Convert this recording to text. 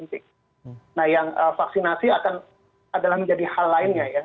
nah yang vaksinasi akan adalah menjadi hal lainnya ya